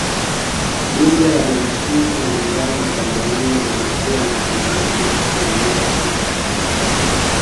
Bunge la Jamhuri ya Muungano wa Tanzania lingekuwa na wanawake asilimia sita tu